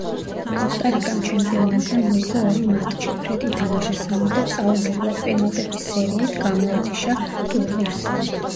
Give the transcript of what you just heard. კოსტა-რიკამ ჩემპიონატზე მოიგო ორი მატჩი, ფრედ ითამაშა სამი და წაუგებლად, პენალტების სერიით გამოეთიშა ტურნირს.